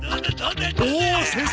おお先生！